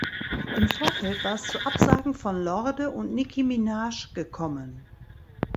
Im Vorfeld war es zu Absagen von Lorde und Nicki Minaj gekommen.